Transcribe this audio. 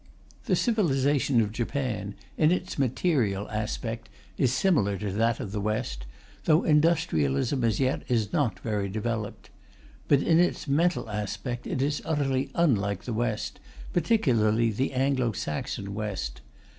The civilization of Japan, in its material aspect, is similar to that of the West, though industrialism, as yet, is not very developed. But in its mental aspect it is utterly unlike the West, particularly the Anglo Saxon West.